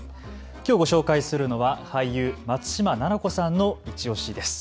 きょう、ご紹介するのは俳優松嶋菜々子さんのいちオシです。